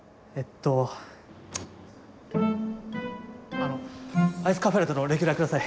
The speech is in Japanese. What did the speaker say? あのアイスカフェラテのレギュラー下さい！